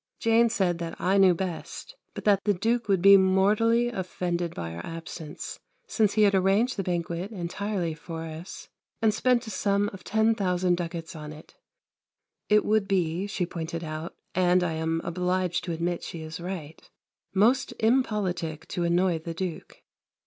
Jane said that I knew best, but that the Duke would be mortally offended by our absence, since he had arranged the banquet entirely for us and spent a sum of 10,000 ducats on it. It would be, she pointed out and I am obliged to admit she is right most impolitic to annoy the Duke.